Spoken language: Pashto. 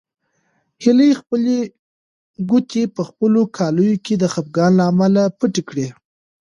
هیلې خپلې ګوتې په خپلو کالیو کې د خپګان له امله پټې کړې.